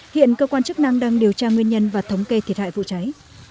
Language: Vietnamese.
hiện cơ quan chức năng đang điều tra nguyên nhân và thống kê thiệt hại vụ cháy